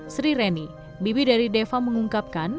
sri reni bibi dari deva mengungkapkan